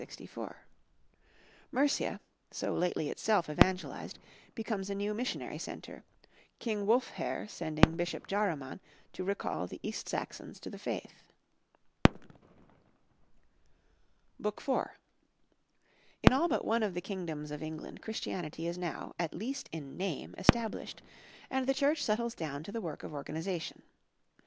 Mercia, so lately itself evangelized, becomes a new missionary centre, King Wulfhere sending Bishop Jaruman to recall the East Saxons to the faith. BOOK IV.—In all but one of the kingdoms of England Christianity is now, at least in name, established, and the Church settles down to the work of organization.